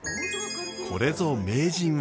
これぞ名人技。